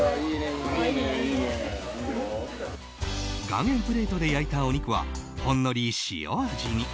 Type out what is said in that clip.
岩塩プレートで焼いたお肉はほんのり塩味に。